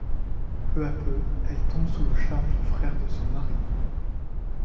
Peu à peu, elle tombe sous le charme du frère de son mari.